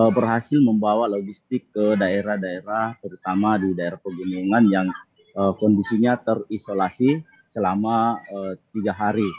berhasil membawa logistik ke daerah daerah terutama di daerah pegunungan yang kondisinya terisolasi selama tiga hari